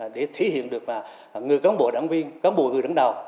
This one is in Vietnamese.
để thể hiện được mà người cáo bộ đảng viên cáo bộ người đảng đạo